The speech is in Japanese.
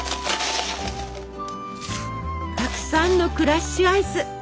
たくさんのクラッシュアイス！